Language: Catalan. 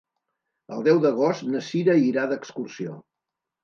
El deu d'agost na Sira irà d'excursió.